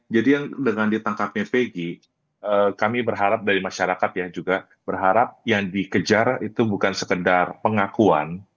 jadi dengan ditangkapnya peggy kami berharap dari masyarakat ya juga berharap yang dikejar itu bukan sekedar pengakuan